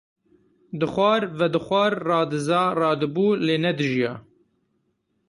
Dixwar, vedixwar, radiza, radibû, lê nedijiya.